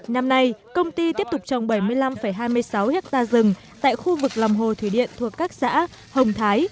năm nay công ty tiếp tục trồng bảy mươi năm hai mươi sáu hectare rừng tại khu vực lòng hồ thủy điện thuộc các xã hồng thái